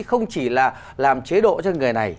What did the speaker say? không chỉ là làm chế độ cho người này